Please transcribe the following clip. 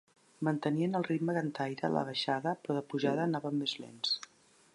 Mantenien el ritme cantaire de la baixada però de pujada anaven més lents.